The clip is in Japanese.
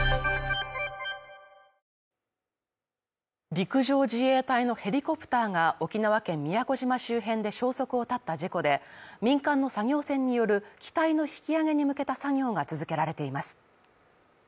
陸上自衛隊のヘリコプターが沖縄県宮古島周辺で消息を絶った事故で民間の作業船による機体の引き揚げに向けた作業が続けられています。